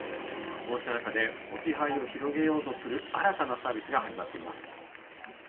こうした中、置き配を広げようとする新たなサービスが始まっています。